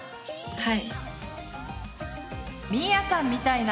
はい。